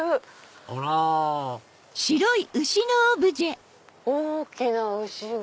あら大きな牛が。